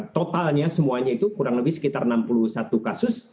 totalnya semuanya itu kurang lebih sekitar enam puluh satu kasus